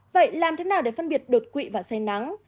vậy làm thế nào để phân biệt đột quỵ và say nắng